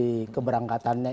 tidak pasti keberangkatannya